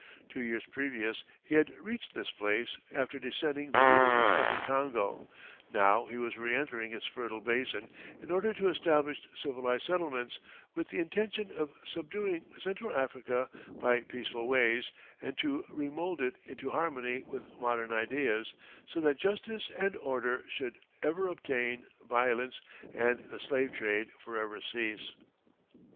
Two years previous he had reached this place after descending the newly discovered Congo; now he was re entering its fertile basin in order to establish civilized settlements, with the intention of subduing Central Africa by peaceful ways and to remould it into harmony with modern ideas, so that justice and order should ever obtain, violence and the slave trade forever cease.